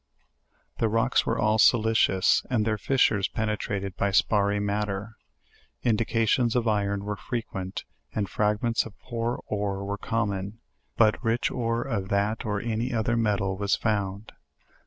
The rocks were all silicious, with their fissures penetrated by sparry matter. Indications of iron were frequent, and fragments of poor oar were common, but rich ore of that or any other rnetal was found.